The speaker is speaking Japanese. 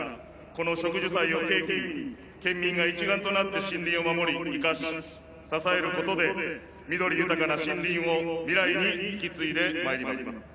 この植樹祭を契機に県民が一丸となって森林を守り生かし支えることで緑豊かな森林を未来に引き継いでまいります。